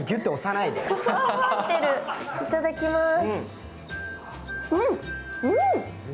いただきまーす。